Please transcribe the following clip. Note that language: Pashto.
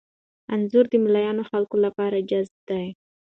انځور د میلیونونو خلکو لپاره جذاب دی.